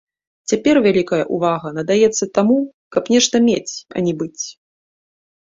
Цяпер вялікая ўвага надаецца таму, каб нешта мець, а не быць.